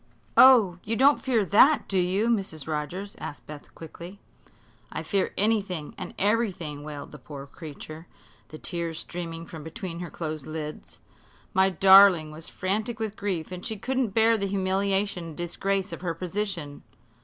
"Oh, you don't fear that, do you, Mrs. Rogers?" asked Beth, quickly. "I fear anything everything!" wailed the poor creature, the tears streaming from between her closed lids. "My darling was frantic with grief, and she couldn't bear the humiliation and disgrace of her position.